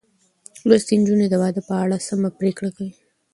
لوستې نجونې د واده په اړه سمه پرېکړه کوي.